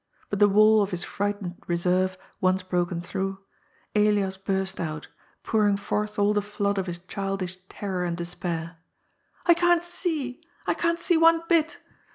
But the wall of his frightened reserre once broken through, Elias burst out, pouring forth aU the flood of his childish terror and despair : ^^I can't seel I can't see one bit!